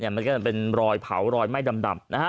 มันก็จะเป็นรอยเผารอยไหม้ดำนะฮะ